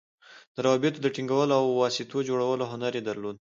د روابطو د ټینګولو او واسطو جوړولو هنر یې درلود.